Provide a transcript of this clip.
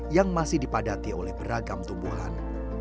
yang masih dipadati oleh beragam tumbuhan